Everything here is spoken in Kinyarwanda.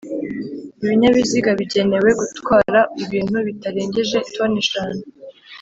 ibinyabiziga bigenewe gutwara ibintu bitarengeje toni eshanu.